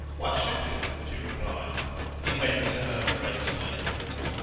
"Why should you?" she replied. He bent to her gracefully.